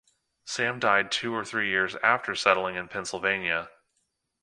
Sam died two or three years after settling in Pennsylvania.